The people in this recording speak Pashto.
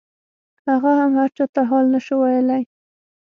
هغه هم هرچا ته حال نسو ويلاى.